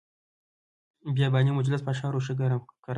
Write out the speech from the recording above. بیاباني مجلس په اشعارو ښه ګرم کړ.